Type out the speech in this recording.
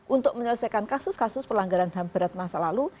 untuk menyelesaikan kasus kasus pelanggaran ham berat masa lalu